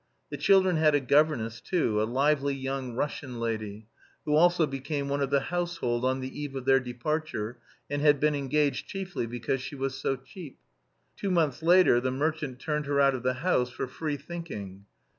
The children had a governess too, a lively young Russian lady, who also became one of the household on the eve of their departure, and had been engaged chiefly because she was so cheap. Two months later the merchant turned her out of the house for "free thinking."